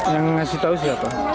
yang ngasih tau siapa